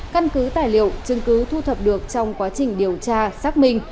căn cứ tài liệu chứng cứ thu thập được trong quá trình điều tra xác minh